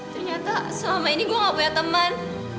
ternyata selama ini gue gak punya teman